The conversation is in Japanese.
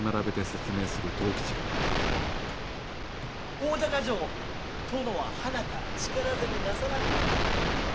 大高城を殿ははなから力攻めなさらんかった。